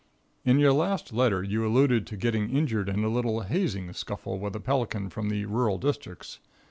In your last letter you alluded to getting injured in a little "hazing scuffle with a pelican from the rural districts."